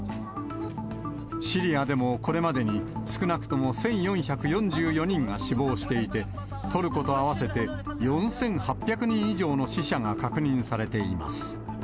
シリアでもこれまでに少なくとも１４４４人が死亡していて、トルコと合わせて４８００人以上の死者が確認されています。